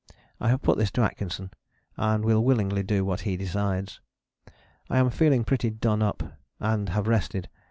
I have put this to Atkinson and will willingly do what he decides. I am feeling pretty done up, and have rested.